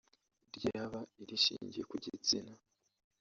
ryaba irishingiye ku gitsina